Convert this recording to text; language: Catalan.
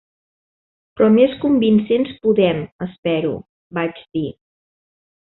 "Però més convincents podem, espero", vaig dir.